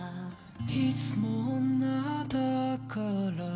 「いつも女だから」